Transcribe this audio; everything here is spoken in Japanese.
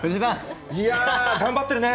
いやー、頑張ってるね。